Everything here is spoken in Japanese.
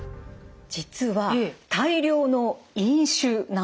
実は「大量の飲酒」なんです。